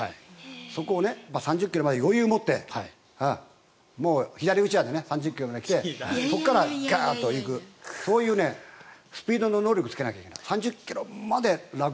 そこを３０ｋｍまで余裕を持って左うちわで３０ｋｍまで来てそこからガーッと行くそういうスピードの能力をつけないといけない。